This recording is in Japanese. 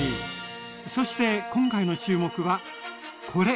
そして今回の注目はこれ！